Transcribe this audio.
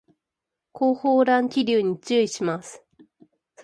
後方乱気流に注意します